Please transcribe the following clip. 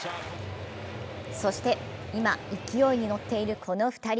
そして今、勢いに乗っているこの２人。